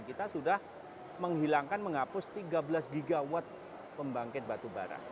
kita sudah menghilangkan menghapus tiga belas gigawatt pembangkit batubara